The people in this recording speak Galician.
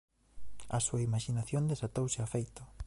A súa imaxinación desatouse a feito.